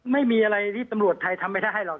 ไม่มีอะไรที่ตำรวจไทยทำไม่ได้เลย